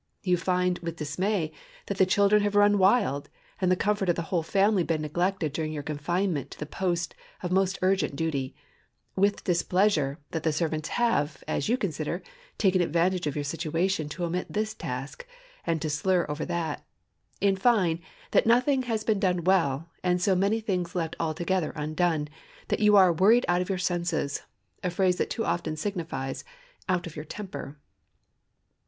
You find, with dismay, that the children have run wild, and the comfort of the whole family been neglected during your confinement to the post of most urgent duty; with displeasure, that the servants have, as you consider, taken advantage of your situation to omit this task, and to slur over that;—in fine, that nothing has been done well, and so many things left altogether undone, that you are "worried out of your senses"—a phrase that too often signifies, out of your temper.